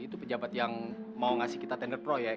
itu pejabat yang mau ngasih kita tender proyek